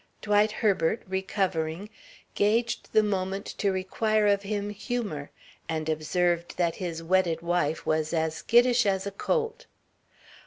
Dwight Herbert, recovering, gauged the moment to require of him humour, and observed that his wedded wife was as skittish as a colt.